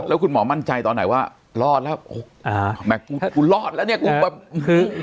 แล้วคุณหมอมั่นใจตอนไหนว่ารอดแล้วโอ้โฮแม่งกูรอดแล้วเนี่ย